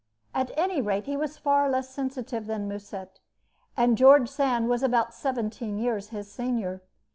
At any rate, he was far less sensitive than Musset, and George Sand was about seventeen years his senior.